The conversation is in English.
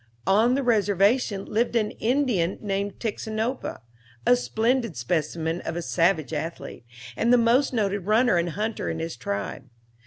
On the Reservation lived an Indian named Tixinopa, a splendid specimen of a savage athlete, and the most noted runner and hunter in his tribe.